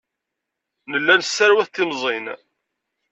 Nella nesserwat timẓin.